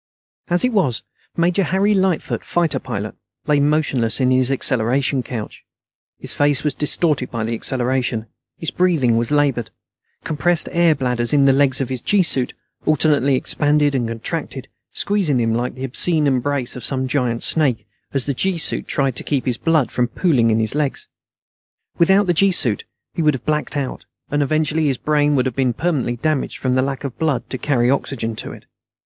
As it was, Major Harry Lightfoot, fighter pilot, lay motionless in his acceleration couch. His face was distorted by the acceleration. His breathing was labored. Compressed air bladders in the legs of his gee suit alternately expanded and contracted, squeezing him like the obscene embrace of some giant snake, as the gee suit tried to keep his blood from pooling in his legs. Without the gee suit, he would have blacked out, and eventually his brain would have been permanently damaged from the lack of blood to carry oxygen to it.